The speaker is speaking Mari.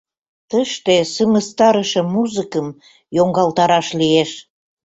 Тыште сымыстарыше музыкым йоҥгалтараш лиеш.